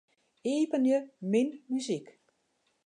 Iepenje Myn muzyk.